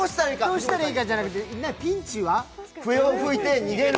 どうしたらいいかじゃくて、ピンチは笛を吹いて逃げる？